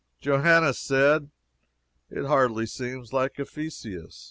Johannes said, It hardly seems like Ephesus.